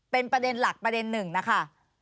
เป็นประเด็นหลักประเด็นหนึ่งนะคะ